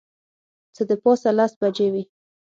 څه د پاسه لس بجې وې.